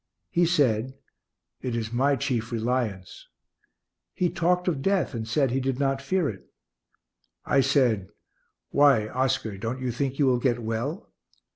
He said, "It is my chief reliance." He talked of death, and said he did not fear it. I said, "Why, Oscar, don't you think you will get well?"